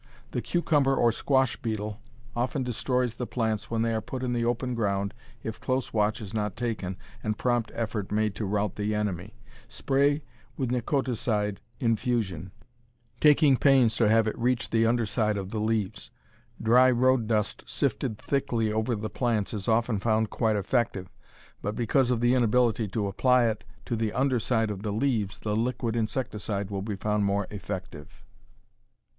The cucumber or squash beetle often destroys the plants when they are put in the open ground if close watch is not taken and prompt effort made to rout the enemy. Spray with Nicoticide infusion, taking pains to have it reach the under side of the leaves. Dry road dust sifted thickly over the plants is often found quite effective, but because of the inability to apply it to the under side of the leaves the liquid insecticide will be found more effective.